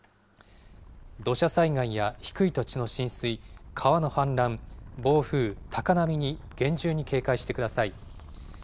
土砂災害や低い土地の浸水、川の氾濫、暴風、高波に厳重に警戒してください。